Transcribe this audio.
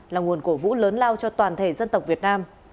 là nguồn cổ vũ lớn lao cho toàn thể dân tộc việt nam